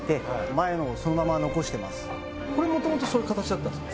こここれ元々そういう形だったんですか？